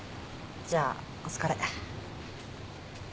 じゃあお疲れ。